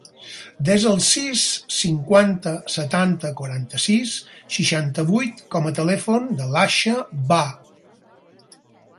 Desa el sis, cinquanta, setanta, quaranta-sis, seixanta-vuit com a telèfon de l'Aixa Bah.